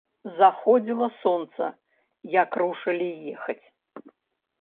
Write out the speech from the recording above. Заходзіла сонца, як рушылі ехаць.